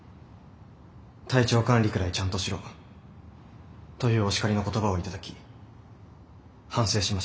「体調管理くらいちゃんとしろ」というお叱りの言葉を頂き反省しました。